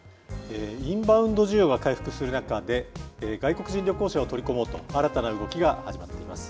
インバウンド需要が回復する中で、外国人旅行者を取り込もうと、新たな動きが始まっています。